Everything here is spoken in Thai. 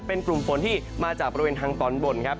เป็นกลุ่มฝนที่มาจากบริเวณทางตอนบนครับ